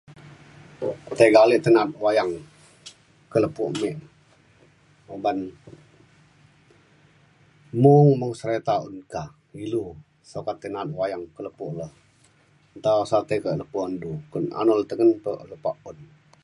tiga alek te na'at wayang ka lepo me uban mung mung serita un ka ilu sukat tai na'at wayang ka lepo le nta osa tai ka lepo anun du kuun anun le tengen pa lepa un